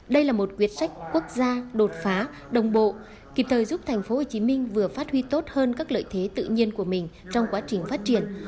đây là một quyết sách quốc gia đột phá đồng bộ kịp thời giúp thành phố hồ chí minh vừa phát huy tốt hơn các lợi thế tự nhiên của mình trong quá trình phát triển